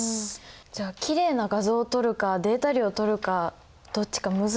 じゃあきれいな画像を取るかデータ量を取るかどっちか難しくなってきますね。